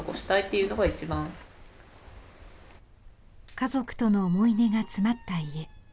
家族との思い出が詰まった家。